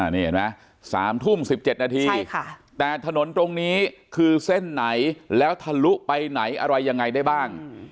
นี่เห็นไหม๓ทุ่ม๑๗นาทีแต่ถนนตรงนี้คือเส้นไหนแล้วทะลุไปไหนอะไรยังไงได้บ้าง